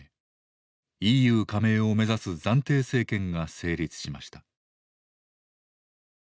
ＥＵ加盟を目指す暫定政権が成立しました。